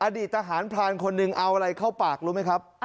อดีตทหารพรานคนหนึ่งเอาอะไรเข้าปากรู้ไหมครับ